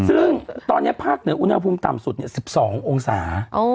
ซึ่งตอนนี้ภาคเหนืออุณหภูมิต่ำสุด๑๒องศา